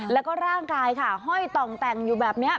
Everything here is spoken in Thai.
แล้วก็ร่างกายค่ะห้อยต่องแต่งอยู่แบบนี้